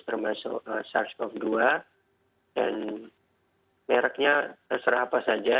termasuk sars cov dua dan mereknya terserah apa saja